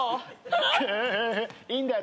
いいんだよ。